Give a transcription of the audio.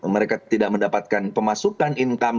mereka tidak mendapatkan pemasukan income